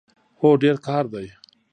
هو، ډیر کار دی